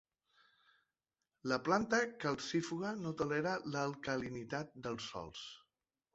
Una planta calcífuga no tolera l'alcalinitat dels sòls.